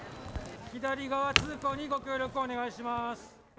左側通行にご協力をお願いします。